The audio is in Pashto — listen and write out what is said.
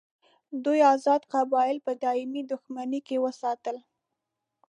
دوی آزاد قبایل په دایمي دښمني کې وساتل.